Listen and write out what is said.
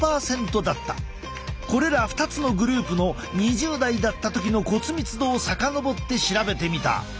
これら２つのグループの２０代だった時の骨密度を遡って調べてみた。